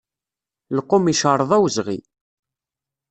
Lqum iceṛṛeḍ awezɣi.